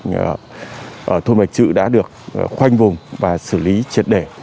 thì thôn bạch chữ đã được khoanh vùng và xử lý triệt để